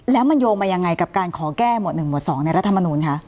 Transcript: แล้วมันโยงมายังไงกับการขอแก้หมวด๑หมวด๒ในรัฐมนูลคะ